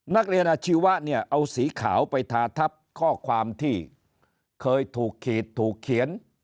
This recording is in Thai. นักเรียนอาชีวะเนี่ยเอาสีขาวไปทาทับข้อความที่เคยถูกขีดถูกเขียน